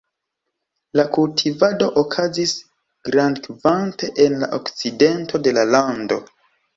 La kultivado okazis grandkvante en la okcidento de la lando.